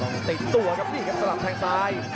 ต้องติดตัวครับนี่สลับทางซ้าย